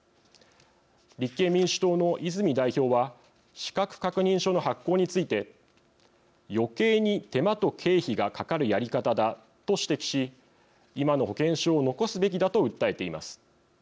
立憲民主党の泉代表は資格確認書の発行について余計に手間と経費がかかるやり方だと指摘し、今の保険証を残すべきだと訴えています。